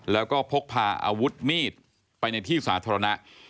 แล้วก็พกพาอาวุธมีดไปในที่สาธารณะ